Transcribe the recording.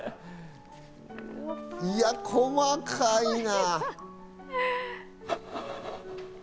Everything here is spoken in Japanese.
いや、細かいな。